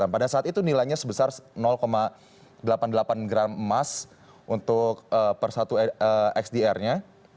pada saat itu nilainya sebesar delapan puluh delapan gram emas untuk per satu xdr nya